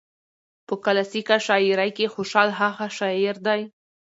په کلاسيکه شاعرۍ کې خوشال هغه شاعر دى